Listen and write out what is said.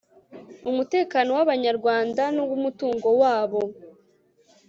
umutekano w'abanyarwanda n'uw'umutungo wabo